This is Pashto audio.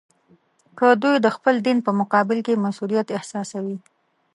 که دوی د خپل دین په مقابل کې مسوولیت احساسوي.